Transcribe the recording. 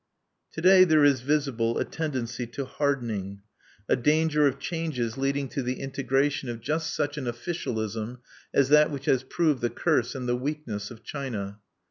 To day there is visible a tendency to hardening, a danger of changes leading to the integration of just such an officialism as that which has proved the curse and the weakness of China.